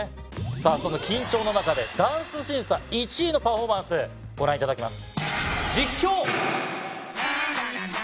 その緊張の中でダンス審査１位のパフォーマンスご覧いただきます。